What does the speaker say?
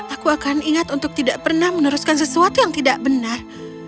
aku akan ingat untuk tidak pernah meneruskan sesuatu yang tidak benar